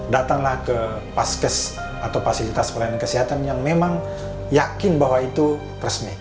datanglah ke paskes atau fasilitas pelayanan kesehatan yang memang yakin bahwa itu resmi